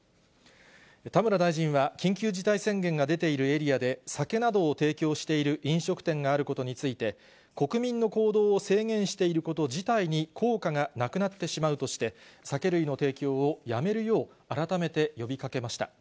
田村大臣は、緊急事態宣言が出ているエリアで酒などを提供している飲食店があることについて、国民の行動を制限していること自体に効果がなくなってしまうとして、酒類の提供をやめるよう改めて呼びかけました。